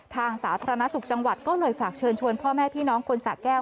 สาธารณสุขจังหวัดก็เลยฝากเชิญชวนพ่อแม่พี่น้องคนสะแก้ว